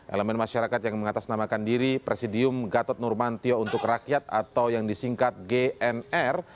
elemen masyarakat yang mengatasnamakan diri presidium gatot nurmantio untuk rakyat atau yang disingkat gnr